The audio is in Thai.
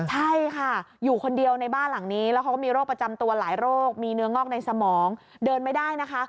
ใช่ค่ะอยู่คนเดียวในบ้านหลังนี้แล้วเขาก็มีโรคประจำตัวหลายโรคมีเนื้องอกในสมองเดินไม่ได้นะคะ